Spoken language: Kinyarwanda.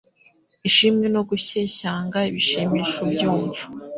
Ishimwe no gushyeshyenga bishimisha ubyumva,